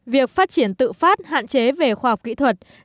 việc phát triển tự phát hạn chế về khoa học kỹ thuật